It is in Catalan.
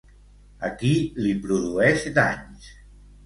A qui li produeix danys?